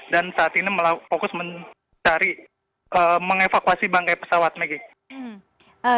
dan saat ini fokus mencari mengevakuasi bangkai pesawat maggie